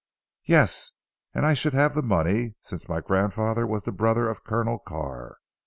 "Yes. And I should have the money, since my grandfather was the brother of Colonel Carr.